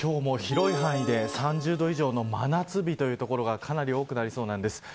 今日も広い範囲で３０度以上の真夏日という所が多くなりそうです。